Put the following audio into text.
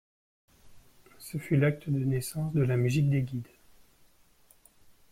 Ce fut l'acte de naissance de la Musique des Guides.